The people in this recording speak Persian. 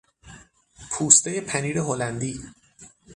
پوستهی پنیر هلندی